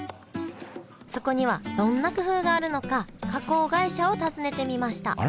そこにはどんな工夫があるのか加工会社を訪ねてみましたあれ！？